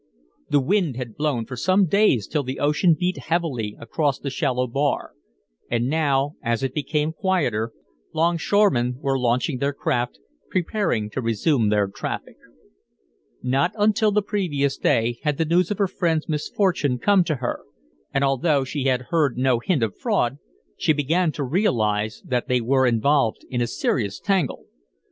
The wind had blown for some days till the ocean beat heavily across the shallow bar, and now, as it became quieter, longshoremen were launching their craft, preparing to resume their traffic. Not until the previous day had the news of her friends' misfortune come to her, and although she had heard no hint of fraud, she began to realize that they were involved in a serious tangle.